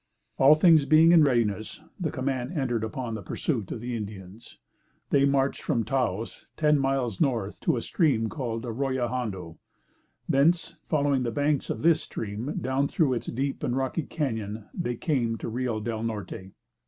All things being in readiness, the command entered upon the pursuit of the Indians. They marched from Taos, ten miles north, to a stream called the Arroya Hondo. Thence, following the banks of this stream down through its deep and rocky cañon, they came to the Rio del Norte.